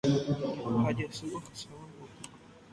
Ha jasy ohasávo ipoty